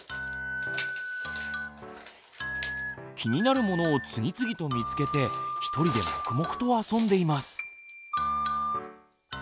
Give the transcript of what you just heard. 気になるものを次々と見つけて一人で黙々と遊んでいます。